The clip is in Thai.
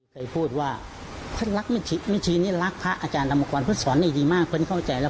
เธอพูดว่าพะรักเมฆีนี้รักพระอาจารย์รำกรคุณเคี้ยว่านี่ดีมากคุณเข้าใจแล้ว